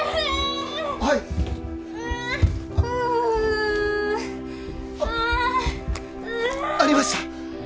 はいありました！